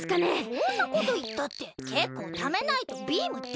そんなこといったってけっこうためないとビームでないにゃ。